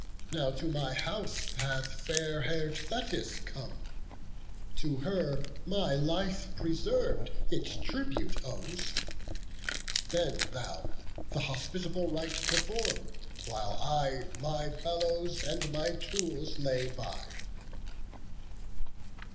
Now to my house hath fair hair'd Thetis come; To her, my life preserv'd its tribute owes: Then thou the hospitable rites perform. While I my bellows and my tools lay by."